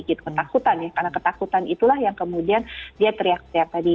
karena ketakutan itulah yang kemudian dia teriak teriak tadi